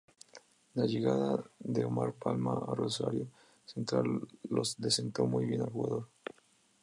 La llegada de Omar Palma a Rosario Central le sentó muy bien al jugador.